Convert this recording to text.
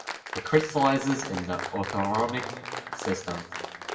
It crystallizes in the orthorhombic system.